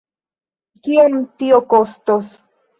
Kiom tio kostos?